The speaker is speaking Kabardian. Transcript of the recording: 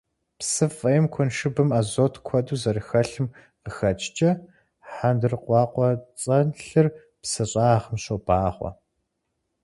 Псы фӀейм, куэншыбым азот куэду зэрыхэлъым къыхэкӀкӀэ, хьэндыркъуакъуэцӀэнлъыр псы щӀагъым щобагъуэ.